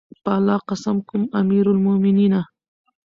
په الله قسم کوم امير المؤمنینه!